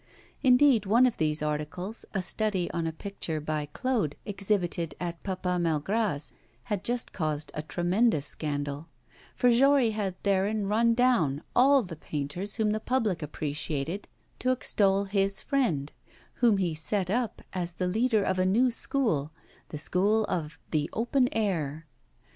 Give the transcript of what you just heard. Indeed, one of these articles, a study on a picture by Claude exhibited at Papa Malgras's, had just caused a tremendous scandal; for Jory had therein run down all the painters whom the public appreciated to extol his friend, whom he set up as the leader of a new school, the school of the 'open air.